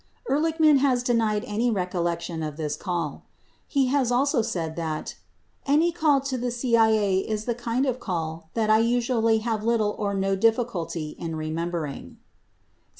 89 Ehrlichman has denied any recollection of this call. He has also said that "any call to the CIA is the kind of call that I usually have little or no difficulty in remembering."